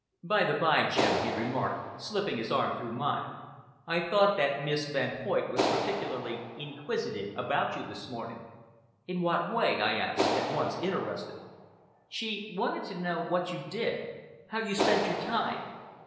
"By the bye, Jim," he remarked, slipping his arm through mine, "I thought that Miss Van Hoyt was particularly inquisitive about you this morning." "In what way?" I asked, at once interested. "She wanted to know what you did how you spent your time.